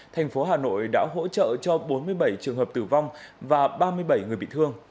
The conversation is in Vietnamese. thành phố hà nội đã hỗ trợ cho bốn mươi bảy trường hợp tử vong và ba mươi bảy người bị thương